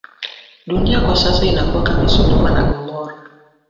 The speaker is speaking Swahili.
Dunia kwa sasa inakuwa kama sodoma na gomora